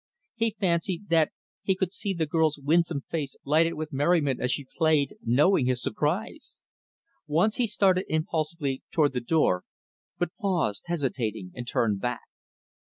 He fancied that he could see the girl's winsome face lighted with merriment as she played, knowing his surprise. Once, he started impulsively toward the door, but paused, hesitating, and turned back.